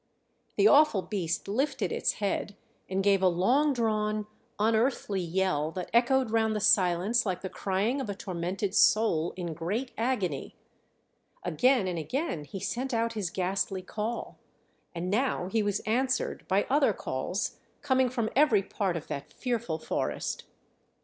The awful beast lifted its head and gave a long drawn, unearthly yell that echoed round the silence like the crying of a tormented soul in great agony; again and again he sent out his ghastly call, and now he was answered by other calls coming from every part of that fearful forest.